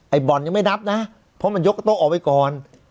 บ่อนยังไม่นับนะเพราะมันยกโต๊ะออกไปก่อน